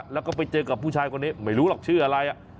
แล้วก็ไปเจอกับผู้ชายคนนี้ไม่รู้หรอกชื่ออะไร